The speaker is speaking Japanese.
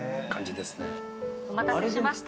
お待たせしました